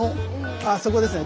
あっそこですね。